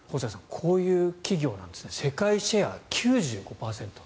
こういう企業なんですね世界シェア９５％。